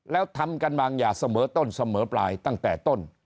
แล้วทำกันบางอย่างเสมอต้นเสมอปลายตั้งแต่ต้น